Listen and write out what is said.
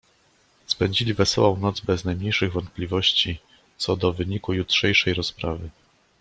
"Spędzili wesołą noc bez najmniejszych wątpliwości co do wyniku jutrzejszej rozprawy."